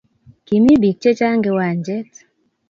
Kimi bik chechang kiwanjet.